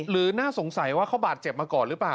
น่าสงสัยว่าเขาบาดเจ็บมาก่อนหรือเปล่า